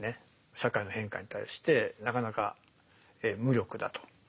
社会の変化に対してなかなか無力だと。